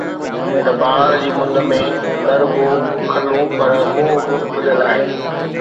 هن بهار جي مند ۾، نه رڳو کلون، پر منهن به کليل آهن.